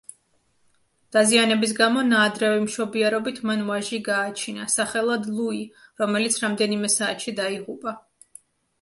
დაზიანების გამო, ნაადრევი მშობიარობით მან ვაჟი გააჩინა, სახელად ლუი, რომელიც რამდენიმე საათში დაიღუპა.